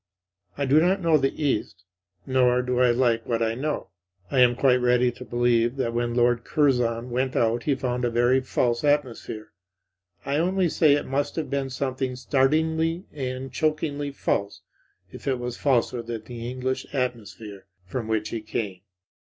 I do not know the East; nor do I like what I know. I am quite ready to believe that when Lord Curzon went out he found a very false atmosphere. I only say it must have been something startlingly and chokingly false if it was falser than that English atmosphere from which he came.